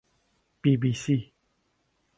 بی بی سی